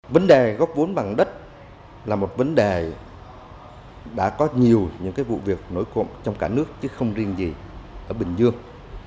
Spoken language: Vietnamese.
vấn đề góp vốn bằng đất là một vấn đề đã có nhiều những vụ việc nổi cuộn trong cả nước chứ không riêng gì ở bình dương